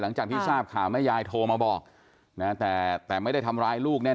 หลังจากที่ทราบข่าวแม่ยายโทรมาบอกนะแต่แต่ไม่ได้ทำร้ายลูกแน่